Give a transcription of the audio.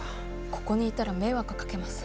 ここにいたら迷惑かけます。